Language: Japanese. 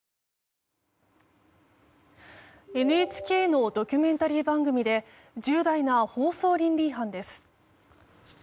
ＮＨＫのドキュメンタリー番組で重大な放送倫理違反です。